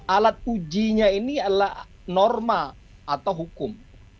alat ujinya ini adalah norma atau hukum